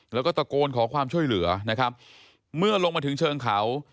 แล้วก็ตะโกนขอความช่วยเหลือนะครับเมื่อลงมาถึงเชิงเขา